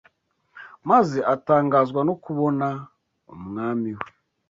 maze atangazwa no kubona Umwami we